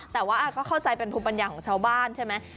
แต่ว่าก็เข้าใจเป็นภูมิปัญญาของชาวบ้านใช่ไหม